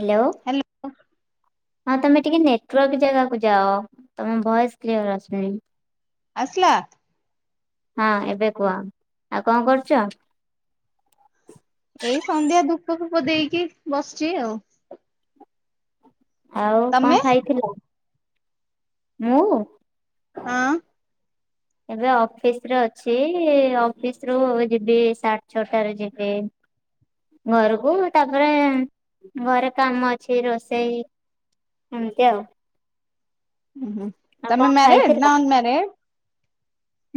Hello hello ହଁ ତମେ ଟିକେ ନେଟୱାର୍କ ଜାଗାକୁ ଯାଅ ତମ ଭଏସ କ୍ଲିୟର ଆସୁନି। ଆସିଲା। ହଁ ଏବେ କୁହ ଆଉ କଣ କରୁଚ? ଏଇ ସନ୍ଧ୍ୟା ଧୂପ ଫୂପ ଦେଇକି ବସିଚି ଆଉ ଆଉ କଣ ତମେ ଖାଇଥିଲ ମୁଁ? ହଁ। ଏବେ ଅଫିସରେ ଅଛି ଅଫିସରୁ ଯିବି ସାଡେ ଛଅଟାରେ ଯିବି। ଘରକୁ ତାପରେ ଘରେ କାମ ଅଛି ରୋଷେଇ ଏମିତି ଆଉ ହୁଁ ଆଉ କଣ ତମେ ଖାଇଥିଲ? ମ୍ୟାରେଡନା ଅନମ୍ୟାରେଡ।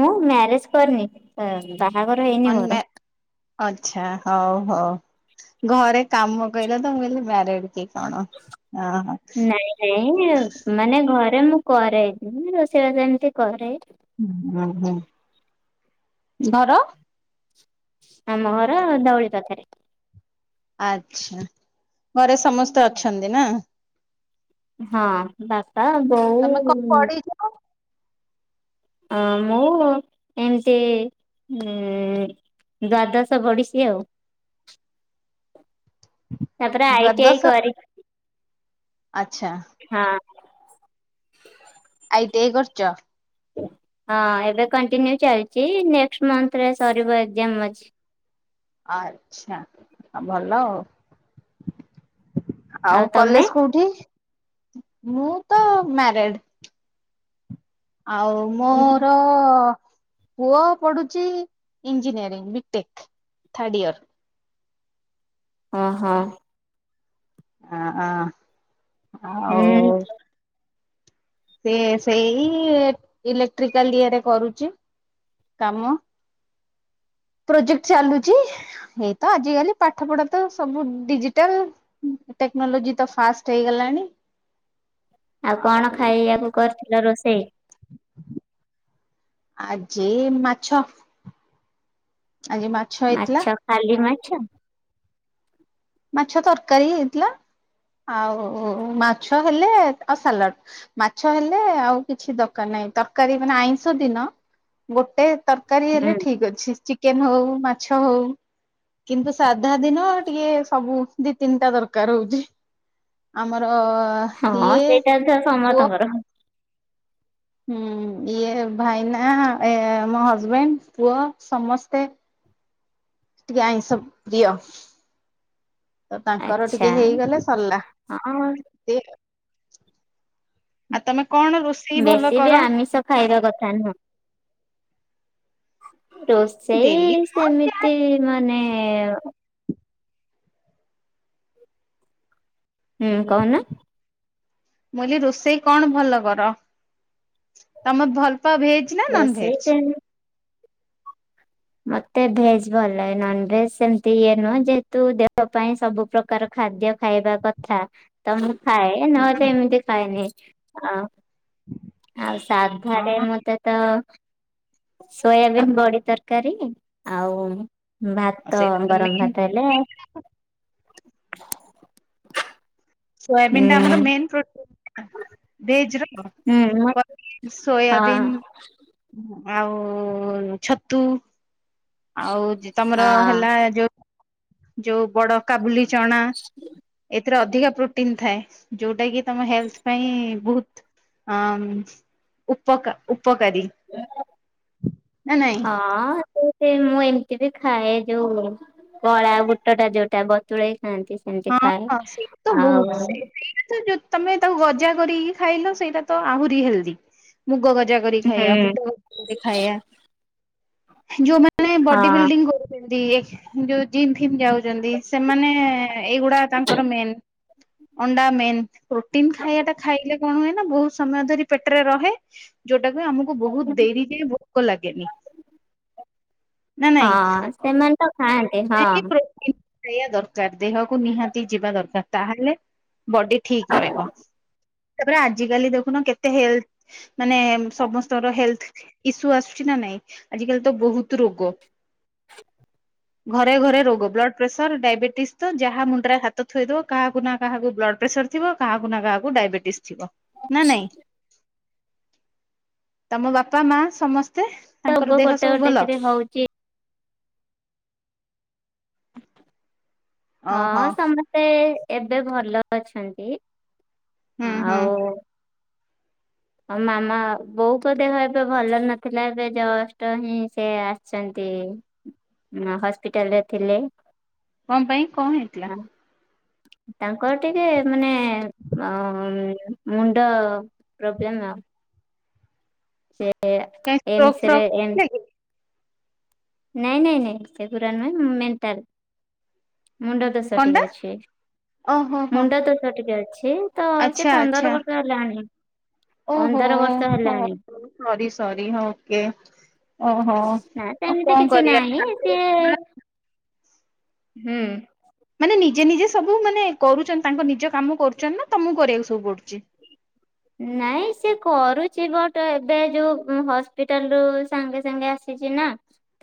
ମୁଁ ମ୍ୟାରେଜ କରିନି ବାହାଘର ହେଇନି ମୋର। ଅଚ୍ଛା ହଉ ହଉ ଘରେ କାମ କହିଲତ ମୁଁ କଇଲି ମ୍ୟାରେଡ କି କଣ ଅହ। ନାଇଁ ନାଇଁ ଅଁ ମାନେ ଘରେ ମୁଁ କରେ ରୋଷେଇବାସ ଏମିତି କରେ। [unintelligible] ହୁଁ ଘର ଆମ ଘର ଧଉଳି ପାଖେରେ ଆଚ୍ଛା ଘରେ ସମସ୍ତେ ଅଛନ୍ତି ନା? ହଁ ବାପା ବୋଉ ତମେ କଣ ପଢିଛ ଅ ମୁଁ ଏମତି ଉ ଦ୍ଵାଦଶ ପଢିଛି ଆଉ। ତାପରେ ଆଇ ଟି ଆଇ ଦ୍ଵାଦଶ କରିି ଆଚ୍ଛା। ହଁ। ଆଇ ଟି ଆଇ କରୁଛ? ହଁ ଏବେ କଣ୍ଟିନ୍ୟୁ ଚାଲିଛି ନେକ୍ସଟ୍ ମନ୍ଥରେ ସରିବ ଏକ୍ଜାମ ଅଛି। ଆଚ୍ଛା ଆ ଭଲ ଆଉ। ଆଉ କଲେଜ କୋଉଠି? ମୁଁ ତ ମ୍ୟାରେଡ୍ ଆଉ ମୋର ଓ ପୁଅ ପଢୁଚି ଇଞ୍ଜିନିୟରିଂ ବିଟେକ୍ ଥାର୍ଡ ଇୟର। ହଁ ହଁ ହ ହ ଆଉ ହୁଁ ସିଏ ସେଇ ଇଲେକ୍ଟ୍ରିକାଲ ଇଏ ରେ କରୁଚି କାମ। ପ୍ରୋଜେକ୍ଟ ଚାଲୁଚି ଏଇତ ଆଜିକାଲି ପାଠ ପଢା ତ ସବୁ ଡିଜିଟାଲ୍। ଟେକ୍ନୋଲୋଜି ତ ଫାଷ୍ଟ ହେଇଗଲାଣି। ଆଉ କଣ ଖାଇ ଆକୁ କରିଥିଲ ରୋଷେଇ? ଆଜି ମାଛ। ଆଜି ମା ମାଛ ଖାଲି ମାଛ? ମାଛ ତରକାରୀ ହେଇଥିଲା। ଆଉ ମାଛ ହେଲେ ଆଉ ସାଲାଡ଼। ମାଛ ହେଲେ ଆଉ କିଛି ଦରକାର ନାହିଁ ତରକାରୀ ମାନେ ଆଇଁଷ ଦିନ ଗୋଟେ ତରକାରୀ ହୁଁ ହେଲେ ଠିକ୍ ଅଛି ଚି ଚିକେନ ହଉ ମାଛ ହଉ କିନ୍ତୁ ସାଧା ଦିନ ଟିକେ ସବୁ ଦି ତିନିଟା ଦରକାର ହଉଛି ଆମର ହଁ ଇଏ ସେଇଟା ତ ପୁଅ ସମସ୍ତଙ୍କର ହୁଁ ଇଏ ଭାଇନା ଏ ମୋ ହଜବେଣ୍ଡ ପୁଅ ସମସ୍ତେ ଟିକେ ଆଇଁସ ପ୍ରିୟ। ତ ତାଙ୍କର ଆଚ୍ଛା ଟିକେ ହେଇଗଲେ ସରିଲା। ହଁ ଆଉ ତମେ କଣ ରୋଷ ବେଶୀ ବି ଆମିଷ ଖାଇବା କଥା ନୁହଁ ରୋସ ଡେଲି ସେଇ ନୁହଁ ମୁଁ ସେମିତି ମାନେ ହୁଁ କହୁନ। ମୁ କଇଲି ରୋଷେଇ କଣ ଭଲ କର? ତମେ ଭଲ ପା ଭେଜ ନା ନନ ରୋଷେଇ ଭେଜ କେନ ମତେ ଭେଜ ଭଲ ଲାଗେ ନନ ଭେଜ ସେମିତି ଇଏ ନୁହଁ ଯେହେତୁ ଦେହ ପାଇଁ ସବୁ ପ୍ରକାର ପ୍ରକାର ଖାଦ୍ୟ ଖାଇବା କଥା ତ ମୁଁ ଖାଏ ନହେଲେ ଏମିତି ଖାଏନି ଆଁ। ଆଉ ସାଧାରେ ହଁ ମତେ ତ ସୋୟାବିନ୍ ବଡି ତରକାରୀ ଆଉ ଭାତ ସେଇଟା ତ ଗରମ ମେନ୍ ଭାତ ହେଲେ ଏ ସୋୟାବିନ୍ ଉଁ ଟା ଆମର ମେନ୍ ପ୍ରୋଟି ଭେଜ ର କଣ ହୁଁ ପନିର, ହଁ ସୋୟାବିନ୍ ଆଉ ଛତୁ। ଆଉ ତମର ହଁ ହେଲା ଯୋଉ ଯୋଉ ବଡ କାବୁଲି ଚଣା। ଏଥିରେ ଅଧିକା ପ୍ରୋଟିନ ଥାଏ ଯୋଉଟା କି ତମ ହେଲଥ ପାଇଁ ବହୁତ ହଁ ଉପକା ଉପକାରି। ହଁ। ସେ ସେ ମୁଁ ଏମିତି ବି ଖାଏ ଯୋଉ କଳା ବୁଟ ଟା ଯୋଉଟା ବତୁରେଇ ଖାଆନ୍ତି। ସେମିତି ହଁ ଖାଏ। ହଁ ସେଇ ତ ଆଉ ବହୁତ ସେ ସେଇଟା ତ ଯ ତମେ ତାକୁ ଗଜା କରିକି ଖାଇଲ ସେଇଟା ତ ଆହୁରି ହେଲ୍ଦି ମୁଗ ଗଜା କରି ହୁଁ ଖାଇବା ବୁଟ ଗ ଏ ଖାଇୟା ଯୋଉ ମାନେ ବଡି ହଁ ବିଲ୍ଡିଙ୍ଗ କରୁ ଛନ୍ତି ଯୋଉ ଜିମ୍ ଫିମ୍ ଯାଉଛନ୍ତି ସେମାନେ ଏଇଗୁଡା ତାଙ୍କର ମେନ୍ ଅଣ୍ଡା ମେନ୍ ପ୍ରୋଟିନ୍ ଖାଇବା ଟା ଖାଇଲେ କଣ ହୁଏ ନା ବହୁତ ସମୟ ଧରି ପେଟରେ ରହେ ଯୋଉଟାକୁ ଆମକୁ ବହୁତ ଡେରି ଯାଏ ଭୋ କ ଲାଗେନିି। ହଁ ସେମାନେ ତ ଖାଆନ୍ତି ହଁ। ସେଇୟା ଦରକାର ଦେହକୁ ନିହାତି ଯିବା ଦରକାର ତାହେଲେ ବଡି ଠିକ ରହିବ ତାପରେ ଆଜିକାଲି ଦେଖୁନ କେତେ ହେଲ୍ଥ ମାନେ ସମସ୍ତଙ୍କର ହେଲ୍ଥ ଇସୁ ଆସୁଛି ନା ନାଇଁ ଆଜି କାଲି ତ ବହୁତ ରୋଗ। ଘରେ ଘରେ ରୋଗ ବ୍ଲଡ୍ ପ୍ରେସର ଡାଇବେଟିସ୍ ଯାହା ମୁଣ୍ଡରେ ହାତ ଥୋଇଦବ କାହାକୁ ନା କାହାକୁ ବ୍ଲଡ ପ୍ରେସର ଥିବ କାହାକୁ ନା କାହାକୁ ଡାଇବେଟିସ ଥିବ। ନା ନାଇଁ ତମ ବାପା ମା ସମସ୍ତେ। ତାଙ୍କର ରୋଗ ଦେହ ଗୋଟେ ସବୁ ଗୋଟେ ଭଲ। କରି ହଉଛି। ଓହୋ ହଁ ସମସ୍ତେ ଏବେ ଭଲ ଅଛନ୍ତି ହୁଁ ହୁଁ ଆଉ। ମାମା ବୋଉଙ୍କ ଦେହ ଏବେ ଭଲ ନଥିଲା ଏବେ ଜଷ୍ଟ ହିଁ ସେ ଆ ସିଛନ୍ତି ହସ୍ପିଟାଲ ରେ ଥିଲେ। କଣ ପାଇଁ କଣ ହେଇଥିଲା? ତାଙ୍କର ଟିକେ ମାନେ ଅ ମୁଣ୍ଡ ପ୍ରୋବ୍ଲେମ୍ ଆଉ। ସେ କାଇଁ ଷ୍ଟ୍ରୋକ୍ ଏମସ ରେ ଫ୍ରୋକ୍ ଏମ ହେଇଥିଲା କି? ନାଇଁ ନାଇଁ ନାଇଁ ସେଗୁରା ନୁହେଁ ମୁ ମେଣ୍ଟାଲ ମୁଣ୍ଡ ଦୋଷ କଣଟା ଟିକେ ଅଛି। ଓହୋ ହୋ ମୁଣ୍ଡ ଦୋଷ ଟିକେ ଅଛି ତ ସେ ଆଚ୍ଛା ଆଚ୍ଛା ପନ୍ଦର ବର୍ଷ ହେଲାଣିି। ଓହୋ ପନ୍ଦର ବର୍ଷ ହୋ ହେଲାଣି। ସରି ସରି ହ ଓକେ ଓହୋ। ନା ଆଉ ସେମିତି କଣ କିଛି କରିବା ନାହିଁ ସେ ହୁଁ ମାନେ ନିଜେ ନିଜେ ସବୁ ମାନେ କହୁଛନ୍ତି। ତାଙ୍କ ନିଜ କାମ କରୁଛନ୍ତି। ନା ତମକୁ କରିବାକୁ ସବୁ ପଡୁଛି। ନାଇଁ ସେ କରୁଛି ବଟ୍ ଏବେ ଯୋଉ ହସ୍ପିଟାଲ ରୁ ସାଙ୍ଗେ ସାଙ୍ଗେ ଆସି ଛି ନା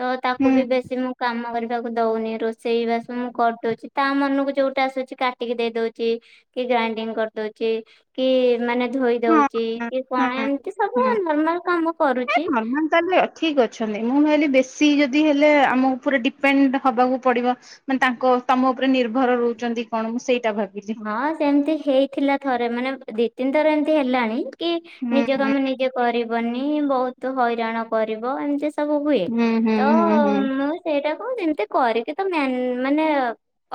ତ ତାକୁ ହୁଁ ବି ବେଶୀ ମୁଁ କାମ କରିବାକୁ ଦଉନି ରୋଷେଇ ବାସ ମୁଁ କରିଦଉଛି। ତା ମନକୁ ଯୋଉଟା ଆସୁଛି କାଟିକି ଦେଇ ଦଉଛି। କି ଗ୍ରାଇଣ୍ଡିଙ୍ଗ କରିଦଉଛି। କି ମାନେ ଧୋଇ ହଁ ଦଉଛି। ହଁ କି ହଁ କଣ ଏମିତି ସବୁ ହୁଁ ନର୍ମାଲ କାମ କରୁଛି। ନର୍ମାଲ ତାହେଲେ ଠିକ ଅଛନ୍ତି। ମୁଁ ହେଲି ବେଶୀ ଯଦି ହେଲେ ଆମ ପୁରା ଡିପେଣ୍ଡ ହବାକୁ ପଡିବ। ମାନେ ତାଙ୍କ ତମ ଉପରେ ନିର୍ଭର ରହୁଛନ୍ତି କଣ। ମୁଁ ସେଇଟା ଭାବିଲି। ହଁ ସେମିତି ହେଇଥିଲା ଥରେ ମାନେ ଦି ତିନି ଥର ଏମିତି ହେଲାଣି। କି ହୁଁ ନିଜ କାମ ନିଜେ କରିବନି। ବହୁତ ହଇରାଣ କରିବ। ଏମିତି ସବୁ ହୁଏ। ହୁଁ ହୁଁ ତ ହୁଁ ହୁଁ ମୁଁ ସେଇଟା କଣ ଏମିତି କରିକି ତ ମାନେ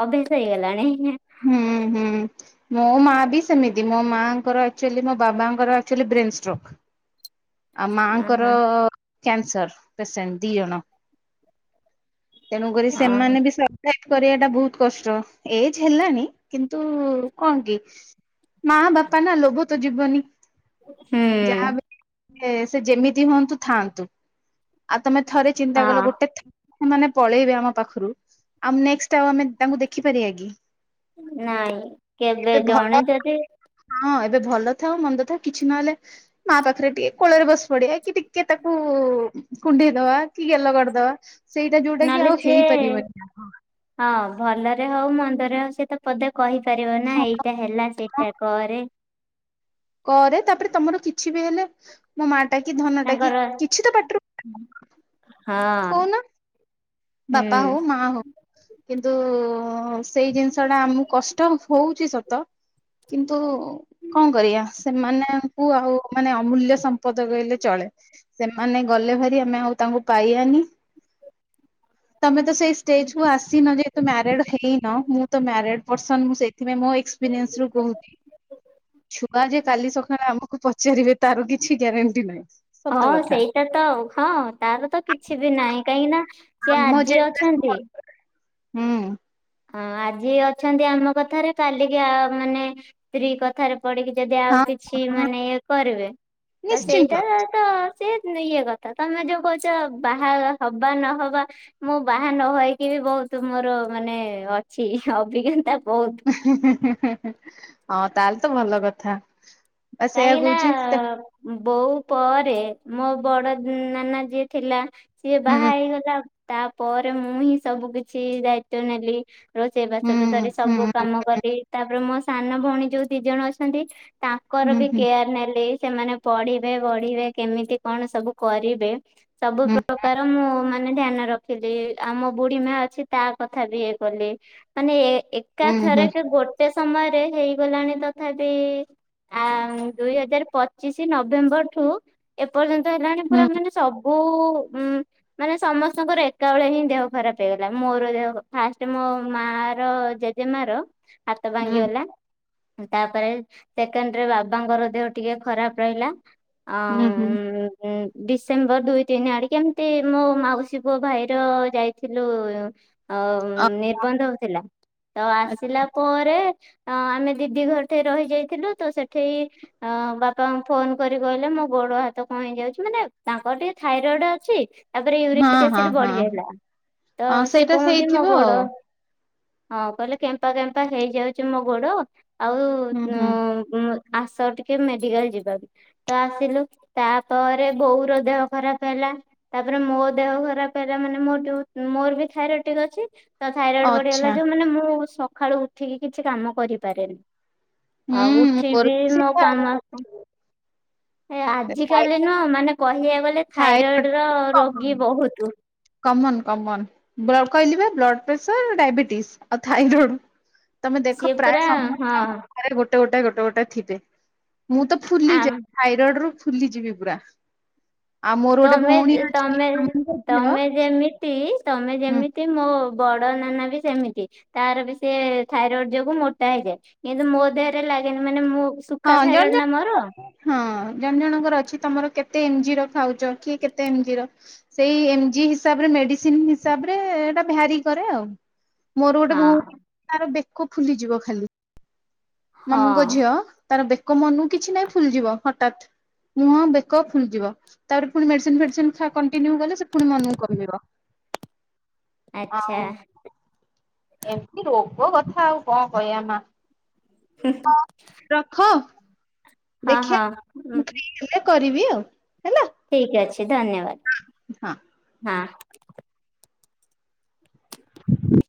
ଅଭ୍ୟାସ ହେଇଗଲାଣି। ହୁଁ ହୁଁ। ମୋ ମାଆ ବି ସେମିତି, ମୋ ମାଆଙ୍କର ଏକଚୁଏଲୀ, ମୋ ବାବାଙ୍କର ଏକଚୁଏଲୀ ବ୍ରେନ ଷ୍ଟ୍ରକ୍। [inaudible] ଆଉ ମାଆଙ୍କର ଓହୋ କ୍ୟାନସର ପେସେଣ୍ଟ ଦି ଜଣ। ତେଣୁ କରି ଓହୋ ସେମାନେ ବି ସର୍ଭେଟ କରିବା ଟା ବହୁତ କଷ୍ଟ। ଏ ହେଲାଣି କିନ୍ତୁ କଣ କି। ମାଆ ବାପା ନା ଲୋଭୋ ତ ଯିବନି। ହୁଁ। ଯାହା ବି ସେ ଯେମିତି ହୁଅନ୍ତୁ ଥାଆନ୍ତୁ। ଆଉ ତମେ ଥରେ ଚିନ୍ତା କଲ ହଁ ଗୋଟେ ସେମାନେ ପଳେଇବେ ଆମ ପାଖରୁ। ଆଉ ନେଷ୍ଟ ଆଉ ଆମେ ତାଙ୍କୁ ଦେଖିପାରିବା କି? ନାଇଁ କେବେ ଏବେ ଭଲ ଜଣେ ଯଦି ହଁ ଏବେ ଭଲ ଥାଉ ମନ୍ଦ ଥାଉ କିଛି ନହେଲେ ମାଆ ପାଖରେ ଟିକେ କୋଳରେ ବସି ପଡେ, କି ଟିକେ ତାକୁ କୁଣ୍ଡେଇ ଦେବା କି ଗେଲ କରିଦେବା ସେଇଟା ଯୋଉଟା କି ନହେଲେ ଆଉ ସିଏ ହେଇପାରିବନି। ହଁ ଭଲରେ ହଉ, ମନ୍ଦରେ ହଉ, ସେ ତ ପଦେ କହିପାରିବ ନା ହଁ ଏଇଟା ହେଲା ସେଇଟା କରେ। କରେ ତାପରେ ତମର କିଛି ବି ହେଲେ। ମୋ ମାଆଟା କି, ଧନଟା କି, ତାଙ୍କର କିଛି ତ ପାଟରୁ ହଁ। ବାପା ହୁଁ। ହଉ, ମାଆ ହଉ କିନ୍ତୁ ସେଇ ଜିନିଷ ଟା ଆମକୁ କଷ୍ଟ ହଉଛି ସତ। କିନ୍ତୁ କଣ କରିବା ସେମାନଙ୍କୁ ଆଉ ମାନେ ଅମୂଲ୍ୟ ସମ୍ପଦ କହିଲେ ଚଳେ। ସେମାନେ ଗଲେ ଭାରି ଆମେ ଆଉ ତାଙ୍କୁ ପାଇବାନି। ତମେ ତ ସେଇ ଷ୍ଟେଜକୁ ଆସିନ ଯେହେତ ମ୍ୟାରିଡ ହେଇନ ମୁଁ ତ ମ୍ୟାରିଡ ପର୍ସନ ମୁ ସେଇ ସେଥିପାଇଁ ମୋ ଏକ୍ସପେରିଏସରୁ କହୁ [inaudible] ଛୁଆ ଯେ କାଲି ସକାଳେ ଆମକୁ ପଚାରିବେ ତାର କିଛି ଗ୍ୟାରେଣ୍ଟି ନାହିଁ। ସତ ହଁ କଥା। ସେଇଟା ତ ହଁ। ତାର ତ କିଛି ବି ନାହିଁ। କାହିଁକି ନା ସିଏ ଆମ ଆଜି ଜେନେରେସନ ଅଛନ୍ତି। ହୁଁ। ହଁ ଆଜି ଅଛନ୍ତି ଆମ କଥାରେ, କାଲିକି ମାନେ ସ୍ତ୍ରୀ କଥାରେ ପଢିକି ଯଦି ଆଉ ହଁ କିଛି ହଁ ମାନେ ଇଏ କରିବେ। ତ ନିଶ୍ଚିନ୍ତ। ସେଇଟା ତ ସିଏ ଇଏ କଥା ତମେ ଯୋଉ କହୁଛ ବାହା ହବା ନହବା। ମୁଁ ବାହା ନ ହେକି ବି ବହୁତ ମୋର ମାନେ ଅଛି ଅଭିଜ୍ଞତା ବହୁତ। ହଁ ତାହେଲେ ତ ଭଲ କଥା ବା କାହିଁକି ସେଇଆ ନା କହୁଛି। ବୋଉ ପରେ ମୋ ବଡ ନାନା ଯିଏ ଥିଲା। ସିଏ ବାହା ହୁଁ ହେଇଗଲା ତାପରେ ମୁଁ ହିଁ ସବୁ କିଛି ଦାୟିତ୍ଵ ନେଲି। ରୋଷେଇ ହୁଁ ବାସନରୁୁ ଧରି ହୁଁ ସବୁ ହୁଁ କାମ କରି ତାପରେ ମୋ ସାନ ଭଉଣୀ ଯୋଉ ଦି ଜଣ ଅଛନ୍ତି। ତା ଙ୍କର ହୁଁ ବି ହୁଁ କେୟାର ନେଲି ସେମାନେ ପଢିବେ ବଢିବେ କେମିତି କଣ ସବୁ କରିବେ ସବୁ ପ୍ରକାର ମୁଁ ମାନେ ଧ୍ୟାନ ରଖିଦିଏ ଆମ ବୁଢୀ ମା ଅଛି ତା କଥା ବି ଇଏ କଲି। ମାନେ ହୁଁ ହୁଁ। ଏକାଥରେ କି ଗୋଟେ ସମୟରେ ହେଇଗଲାଣି, ତଥାପି ଆ ଦୁଇ ହଜାର ପଚିଶି ନଭେମ୍ବରଠୁ ଏପର୍ଯ୍ୟନ୍ତ ହେଲାଣି ହୁଁ ପୁରା ମାନେ ସବୁ ଉ ମାନେ ସମସ୍ତଙ୍କର ଏକାବେଳେ ହିଁ ଦେହ ଖରାପ ହେଇଗଲା। ମୋର ଦେହ ଫାଷ୍ଟ ମୋ ମା ର ଜେଜେ ମାର ହାତ ହୁଁ ଭାଙ୍ଗିଗଲା। ତାପରେ ସେକେଣ୍ଡ ରେ ବାବାଙ୍କର ଦେହ ଟିକେ ଖରାପ ରହିଲା। ହୁଁ ହୁଁ ଉ ଡିସେମ୍ବର ଦୁଇ ତିନି ଆଡ କେମିତି ମୋ ମାଉସୀ ପୁଅ ଭାଇର ଯାଇଥିଲୁ ଅ ନିର୍ବନ୍ଧ ହଉଥିଲା। ତ ଆ ଆସିଲା ପରେ ଆମେ ଦିଦି ଘର ଠ ରହିଯାଇଥିଲୁ ତ ସେଠି ଅ ବାପାଙ୍କୁ ଫୋନ କରି କହିଲେ, ମୋ ଗୋଡ଼ ହାତ କଣ ହେଇ ଯାଉଛି? ମାନେ ତାଙ୍କର ଟିକେ, ଥାଇରଏଡ ଅଛି। ତାପରେ ହଁ ୟରିକ ହଁ ଏସିଡ ହଁ ବଢି ଯାଇଥିଲା ତ ହଁ ସେ ସେଇଟା କୁହନ୍ତି, ମୋ ସେଇଥିବ ଗୋଡ। ଆଉ ହଁ, କହିଲେ, କେମ୍ପା କେମ୍ପା ହେଇଯାଉଛି ମୋ ଗୋଡ ଆଉ ହୁଁ ହୁଁ ଆସ ଟିକେ ମେଡିକାଲ ଯିବା କୁ। ତ ଆସିଲୁ ତାପରେ ବୋଉର ଦେହ ଖରାପ ହେଲା। ତାପରେ ମୋ ଦେହ ଖରାପ ହେଲା। ମାନେ ମୋର ଯୋଉ, ମୋର ବି ଥାଇରଏଡ଼ ଟିକେ ଅଛି। ତ ଥାଇରଏଡ ବଢିଗଲା ଆଚ୍ଛା ଯୋଉ ମାନେ ମୁଁ ସକାଳୁ ଉଠିକି କିଛି କାମ କରିପାରେନି। ହୁଁ ଆଉ ମୋର ଉଠିବି ବି ସେଇ ମୋ କାମ ଥାଇରଏଡ ଏ ଆଜ ଥାଇ କାଲି ନୁହ ମାନେ କହିବାକୁ ଗଲେ ଥାଇରଏଡ ର ରୋଗୀ ବହୁତ। କମନ କମନ କହିଲି ବ୍ଲଡ଼ ପ୍ରେସର ଡାଇବେଟିସ୍ ଆଉ ଥାଇରଏଡ଼। ତମେ ଦେଖ ସିଏ ପ୍ରାୟ ପୁରା ହଁ ସମସ୍ତଙ୍କ ଘରେ ଗୋଟେ ଗୋଟେ ଗୋଟେ ଗୋଟେ ଥିବେ। ମୁଁ ତ ଫୁଲି ଆମ ଯାଏ। ଥାଇରଡ ରୁ ଫୁଲିଯିବି ପୁରା ଆଉ ମୋର ଗୋଟେ ତମେ ଭଉଣୀ ଅଛି ତମେ ତମେ [inaudible] ଯେମିତି ତମେ ହୁଁ ଯେମିତି ମୋ ବଡ ନାନା ବି ସେମିତି। ତାର ବି ସେ ଥାଇରଏଡ ଯୋଗୁ ମୋଟା ହେଇଯାଏ କିନ୍ତୁ ମୋ ଦେହରେ ଲାଗେନି ମାନେ ମୁଁ ହଁ ତୁଖା ଥାଇରଏଡ଼ ଜଣେ ନା ମୋର। ଜଣ ହଁ, ଜଣେ ଜଣଙ୍କର ଅଛି ତମର କେତେ ଏମ ଜି ର ଖାଉଛ, କିଏ କେତେ ଏମ ଜି ର? ସେଇ ଏମଜି ହିସାବରେ ମେଡିସିନ ହିସାବରେ ଏଟା ଭାରି କରେ ଆଉ। ମୋର ହଁ ଗୋଟେ [inaudible] ତାର ବେକ ଫୁଲିଯିବ ଖାଲି। ମାମୁଁଙ୍କ ହଁ। ଝିଅ ତାର ବେକ ମନୁ କିଛି ନାହିଁ ଫୁଲିଯିବ ହଠାତ୍ ମୁହଁ ବେକ ଫୁଲିଯିବ। ତାପରେ, ପୁଣି ମେଡିସିନ ଫେଡିସିନ ଖିଆ କଣ୍ଟିନ୍ୟୁ କଲେ, ସେ ପୁଣି ମନକୁ କମିବ। ଆଚ୍ଛା ଆଉ ଏମିତି ରୋଗ କଥା ଆଉ କଣ କହିବା ମା? ରଖ ହଁ ହଁ ଦେଖିବା [inaudible] କରିବି ଆଉ ହେଲା। ଠିକ୍ ଅଛି ହଁ। ଧନ୍ୟବାଦ ହଁ। ହ